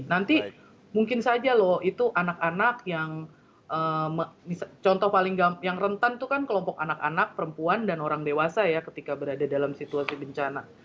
nanti mungkin saja loh itu anak anak yang contoh paling yang rentan itu kan kelompok anak anak perempuan dan orang dewasa ya ketika berada dalam situasi bencana